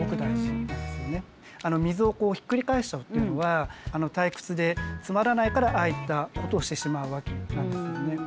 水をひっくり返しちゃうっていうのは退屈でつまらないからああいったことをしてしまうわけなんですよね。